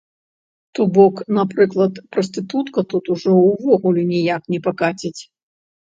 То бок, напрыклад, прастытутка тут ужо ўвогуле ніяк не пакаціць.